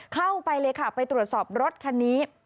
เข้าไปเลยค่ะไปตรวจสอบรถคันนี้